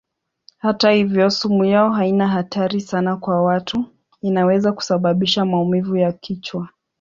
Hata hivyo sumu yao haina hatari sana kwa watu; inaweza kusababisha maumivu ya kichwa.